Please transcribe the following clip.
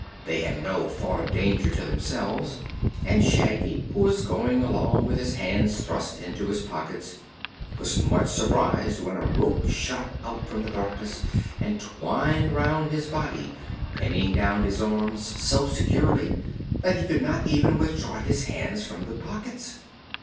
They had no thought of danger to themselves, and Shaggy, who was going along with his hands thrust into his pockets, was much surprised when a rope shot out from the darkness and twined around his body, pinning down his arms so securely that he could not even withdraw his hands from the pockets.